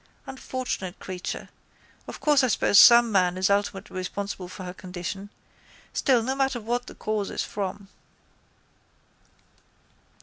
Unfortunate creature! Of course I suppose some man is ultimately responsible for her condition. Still no matter what the cause is from...